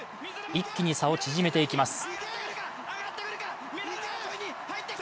一気に差を縮めていきます。